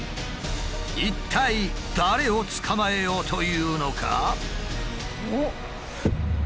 一体誰を捕まえようというのか？